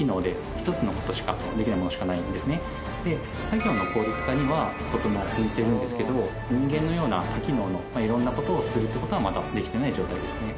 作業の効率化にはとても向いてるんですけど人間のような多機能の色んな事をするっていう事はまだできてない状態ですね。